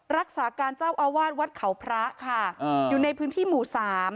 รักษาการเจ้าอาวาสวัดเขาพระค่ะอยู่ในพื้นที่หมู่สาม